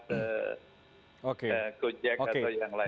gojek atau yang lain